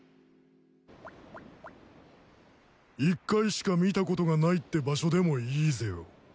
１回しか見たことがないって場所でもいいぜよ。